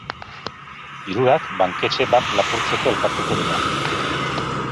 Hirurak banketxe bat lapurtzeko elkartuko dira.